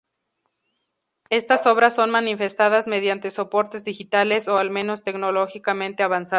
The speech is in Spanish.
Estas obras son manifestadas mediante soportes digitales o al menos tecnológicamente avanzados.